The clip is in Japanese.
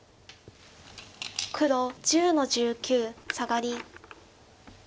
黒１０の十九サガリ。